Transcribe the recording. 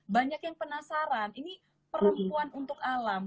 banyak yang penasaran ini perempuan untuk alam